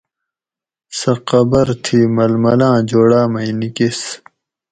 سہۤ قبر تھی ململاۤں جوڑاۤ مئ نِکیس